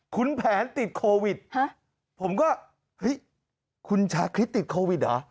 คุณแผนติดโควิดผมก็เฮ้ยคุณชาคริสติดโควิดเหรอ